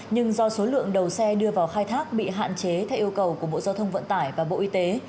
nhưng do số lượng đầu xe đưa vào khai thác bị hạn chế theo yêu cầu của bộ giao thông vận tải và bộ y tế